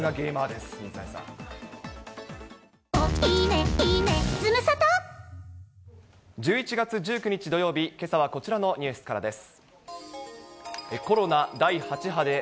２００２年８月、１１月１９日土曜日、けさはこちらのニュースからです。